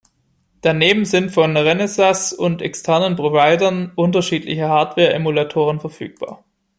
Daneben sind von Renesas und externen Providern unterschiedliche Hardware-Emulatoren verfügbar.